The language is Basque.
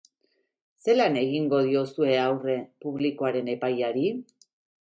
Zelan egingo diozue aurre publikoaren epaiari?